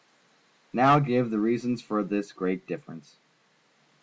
Now give the reasons for this great difference.